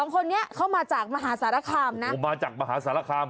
๒คนนี้เข้ามาจากมาหาสารครับนะมาจากมาหาสารครับ